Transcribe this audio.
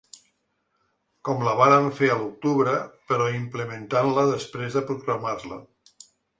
Com la vàrem fer a l’octubre, però implementant-la després de proclamar-la.